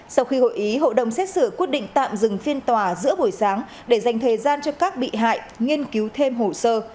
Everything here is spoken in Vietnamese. sau khi hội ý hội đồng xét xử quyết định tạm dừng phiên tòa giữa buổi sáng để dành thời gian cho các bị hại nghiên cứu thêm hồ sơ